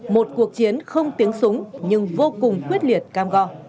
một cuộc chiến không tiếng súng nhưng vô cùng quyết liệt cam go